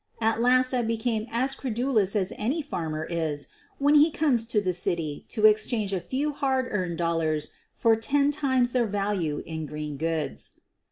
At last I became as credulous as any farmer is when he comes to the city to exchange a few hard earned dollars for ten times their value in green goods.